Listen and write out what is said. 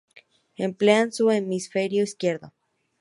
Emplean su hemisferio izquierdo.